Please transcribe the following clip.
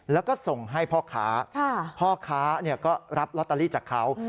แล้วก็ส่งให้พ่อค้าพ่อค้าก็รับลอตเตอรี่จากเขา